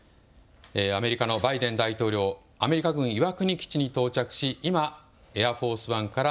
アメリカのバイデン大統領、アメリカ軍岩国基地に到着し今、エアフォース・ワンから